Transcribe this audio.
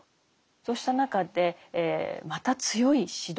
そうした中でまた強い指導者